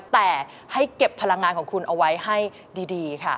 แต่ให้เก็บพลังงานของคุณเอาไว้ให้ดีค่ะ